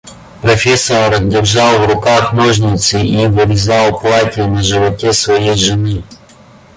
Профессор держал в руках ножницы и вырезал платье на животе своей жены.